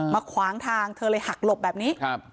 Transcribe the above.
ขวางทางเธอเลยหักหลบแบบนี้